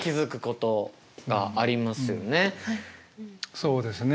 そうですね。